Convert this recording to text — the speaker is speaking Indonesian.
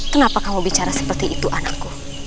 kenapa kamu bicara seperti itu anakku